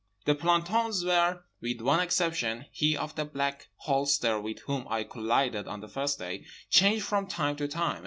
The plantons were, with one exception—he of the black holster with whom I collided on the first day—changed from time to time.